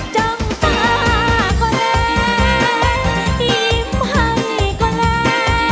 จ้องตาก็ได้ยิ้มให้ก็ได้